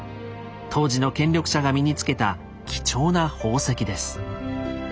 当時の権力者が身に着けた貴重な宝石です。